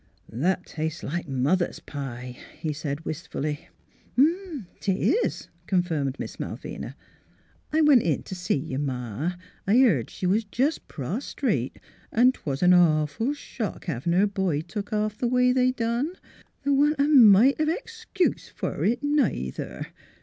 " That tastes like mother's pie," he said wistfully. " 'Tis," confirmed Miss Malvina. " I went in t' see your Ma. I heerd she was jes' prostrate. An' 'twas 'n' awful shock havin' her boy took off th' way they done. ... Th' wa'n't a mite of ex cuse f'r it, neither.